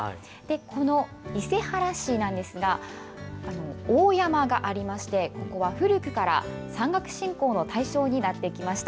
この伊勢原市なんですが大山がありましてここは古くから山岳信仰の対象になってきました。